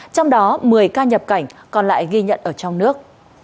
trong đó một mươi ca nhập cảnh còn lại ghi nhận ở trong nước